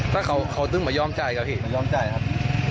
ท่านดูเหตุการณ์ก่อนนะครับ